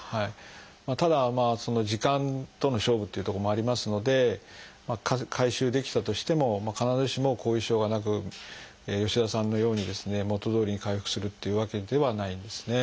ただまあ時間との勝負っていうとこもありますので回収できたとしても必ずしも後遺症がなく吉澤さんのようにですね元どおりに回復するっていうわけではないんですね。